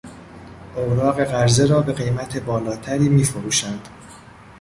اوراق قرضه را به قیمت بالاتری میفروشند.